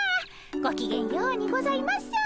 ごきげんようにございます。